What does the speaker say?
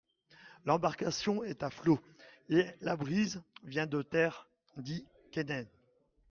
L'embarcation est à flot, et la brise vient de terre, dit Keinec.